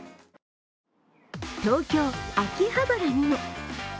東京・秋葉原にも。